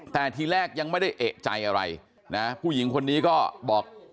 แต่ทีแรกยังไม่ได้เอกใจอะไรนะผู้หญิงคนนี้ก็บอก